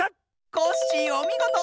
コッシーおみごと！